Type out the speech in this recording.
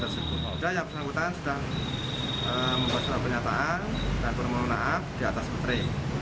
sudah yang bersangkutan sudah membuat surat pernyataan dan permohonan maaf di atas menteri